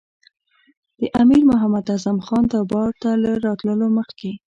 د امیر محمد اعظم خان دربار ته له راتللو مخکې.